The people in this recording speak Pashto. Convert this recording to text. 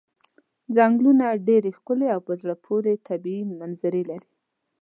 څنګلونه ډېرې ښکلې او په زړه پورې طبیعي منظرې لري.